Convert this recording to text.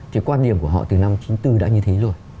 cái quan điểm của họ từ năm chín mươi bốn đã như thế rồi